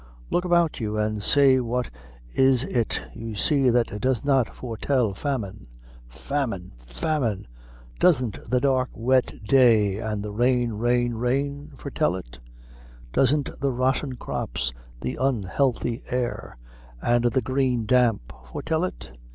Look about you, and say what is it you see that does not foretel famine famine famine! Doesn't the dark wet day, an' the rain, rain, rain, foretel it? Doesn't the rotten' crops, the unhealthy air, an' the green damp foretel it?